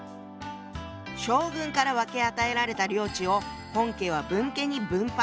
将軍から分け与えられた領地を本家は分家に分配。